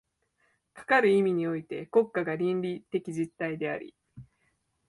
かかる意味において国家が倫理的実体であり、